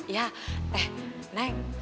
ya eh neng